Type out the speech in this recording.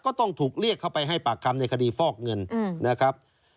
ก็ต้องถูกเรียกเข้าไปให้ปากคำในคดีฟอกเงินนะครับ